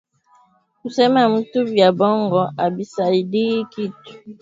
Kusemea mtu bya bongo abisaidii kitu